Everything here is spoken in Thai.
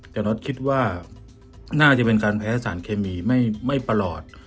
แต่น็อตคิดว่าน่าจะเป็นการแพ้สารเคมีไม่ประหลอด